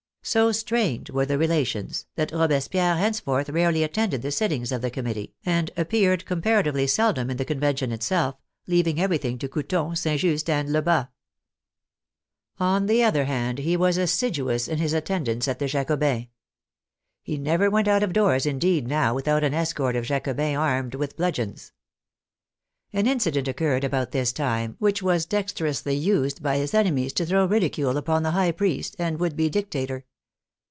So strained were the relations, that Robespierre henceforth rarely attended the sittings of the Committee, and ap peared comparatively seldom in the Convention itself, leaving everything to Couthon, St. Just, and Lebas. On the other hand, he was assiduous in his attendance at the Jacobins'. He never went out of doors, indeed, now, without an escort of Jacobins armed with bludgeons. An incident occurred about this time which was dexterously used by his enemies to throw ridicule upon the high priest and would be dictator.